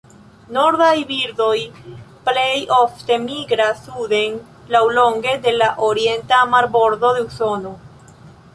Nordaj birdoj plej ofte migras suden laŭlonge de la orienta marbordo de Usono.